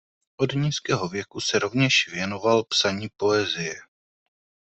Od nízkého věku se rovněž věnoval psaní poezie.